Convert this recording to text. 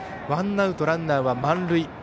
ワンアウトランナー、満塁。